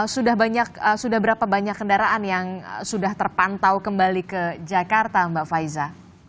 sudah berapa banyak kendaraan yang sudah terpantau kembali ke jakarta mbak faiza